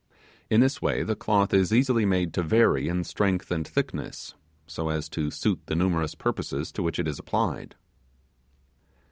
In this way the cloth is easily made to vary in strength and thickness, so as to suit the numerous purposes to which it is applied.